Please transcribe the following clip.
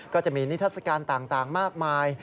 ก็จะมีนิทัศกาลต่างมากมาย